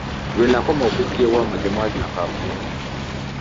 Lwe nakomabokujja ewammwe eyo temwalina kaabuyonjo.